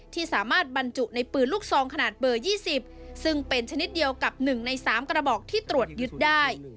ที่สามารถบรรจุในปืนลูกซองขนาดเบอร์๒๐ซึ่งเป็นชนิดเดียวกับ๑ใน๓กระบอกที่ตรวจยึดได้